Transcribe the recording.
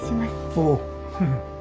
おう。